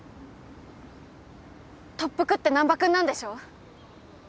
特服って難破君なんでしょ？